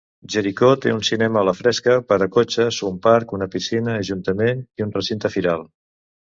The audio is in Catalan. Jericho té un cinema a la fresca per a cotxes, un parc, una piscina, ajuntament i un recinte firal.